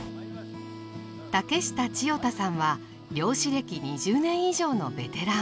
竹下千代太さんは漁師歴２０年以上のベテラン。